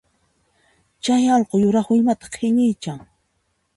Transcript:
Chay allqu yuraq willmata qhillichan